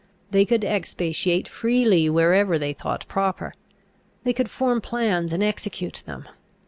They could expatiate freely wherever they thought proper. They could form plans and execute them.